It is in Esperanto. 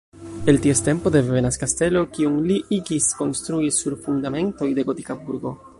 El ties tempo devenas kastelo, kiun li igis konstrui sur fundamentoj de gotika burgo.